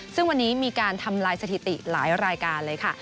ซึ่งวันนี้มีการทำลายสถิติหลายรายการเลยค่ะ